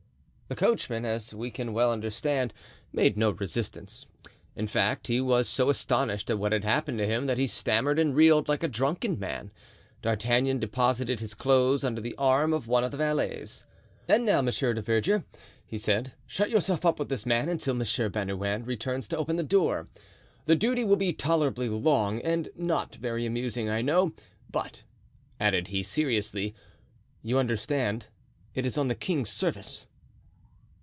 The coachman, as we can well understand, made no resistance; in fact, he was so astonished at what had happened to him that he stammered and reeled like a drunken man; D'Artagnan deposited his clothes under the arm of one of the valets. "And now, Monsieur du Verger," he said, "shut yourself up with this man until Monsieur Bernouin returns to open the door. The duty will be tolerably long and not very amusing, I know; but," added he, seriously, "you understand, it is on the king's service."